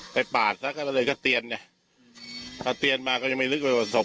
ไปปาดซะกันแล้วเลยก็เตียนเนี่ยก็เตียนมาก็ยังไม่ลึกไปว่าสม